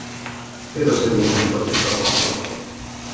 Přirozeně jsem pro tyto hlasoval.